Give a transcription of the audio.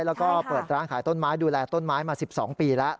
แล้วก็เปิดร้านขายต้นไม้ดูแลต้นไม้มา๑๒ปีแล้ว